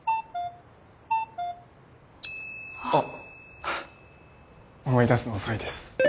あっ思い出すの遅いです